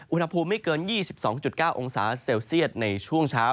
อุณหภูมิไม่เกิน๒๒๙องศาเซลเซียตในช่วงเช้า